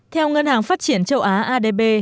theo ngân hàng phát triển châu á adb